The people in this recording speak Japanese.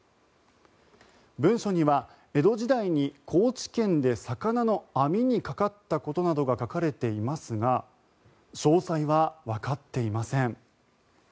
文書には江戸時代に高知県で魚の網にかかったことなどが書かれていますが詳細はわかっていません。